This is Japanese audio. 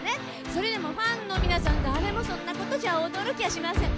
それでもファンの皆さん誰もそんな事じゃ驚きゃしません。